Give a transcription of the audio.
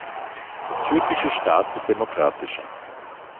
Der türkische Staat wird demokratischer.